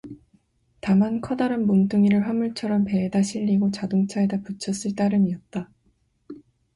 다만 커다란 몸뚱이를 화물처럼 배에다 실리고 자동차에다 붙였을 따름이었다.